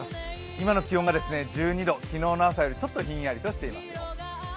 今の気温が１２度昨日の朝よりちょっとひんやりしてますよ。